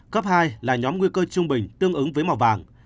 cấp hai là nhóm nguy cơ trung bình tương ứng với màu vàng